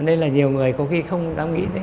nên là nhiều người có khi không dám nghĩ